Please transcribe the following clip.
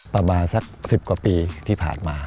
ประมาณสัก๑๐กว่าปีที่ผ่านมา